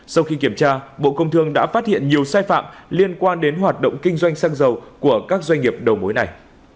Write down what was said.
sau khi kiểm tra bộ công thương đã phát hiện nhiều sai phạm liên quan đến hoạt động kinh doanh xăng dầu của các doanh nghiệp đầu mối này